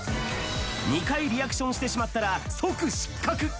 ２回リアクションしてしまったら、即失格！